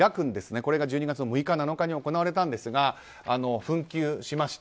これが１１月の６日、７日に行われたんですが紛糾しました。